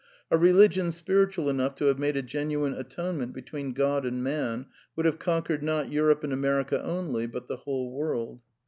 A religion spiritual enough to have \ made a genuine atonement between God and man would have conquered, not Europe and America only, but the whole world.